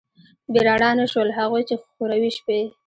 بې رڼا نه شول، هغوی چې خوروي شپې